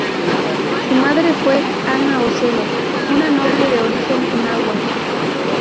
Su madre fue Ana Ocelo, una noble de origen nahua.